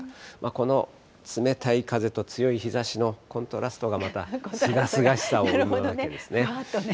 この冷たい風と強い日ざしのコントラストがまたすがすがしさを生むわけですね。